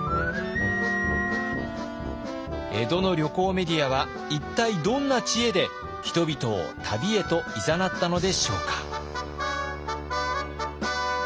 江戸の旅行メディアは一体どんな知恵で人々を旅へといざなったのでしょうか？